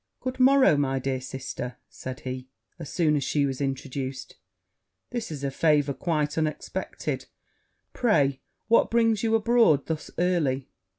'Good morrow, my dear sister,' said he, as soon as she was introduced; 'this is a favour quite unexpected: pray, what brings you abroad thus early?'